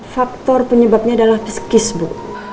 faktor penyebabnya adalah psikis bu